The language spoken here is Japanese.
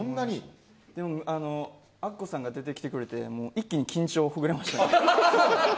アッコさんが出てきてくれて一気に緊張ほぐれました。